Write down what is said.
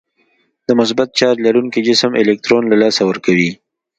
د مثبت چارج لرونکی جسم الکترون له لاسه ورکوي.